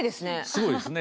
すごいですね。